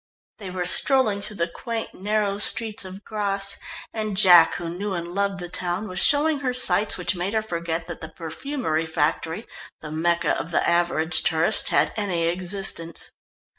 They were strolling through the quaint, narrow streets of Grasse, and Jack, who knew and loved the town, was showing her sights which made her forget that the Perfumerie Factory, the Mecca of the average tourist, had any existence.